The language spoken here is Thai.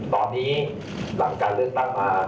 ตอนนี้หลังการเลือกตั้งมา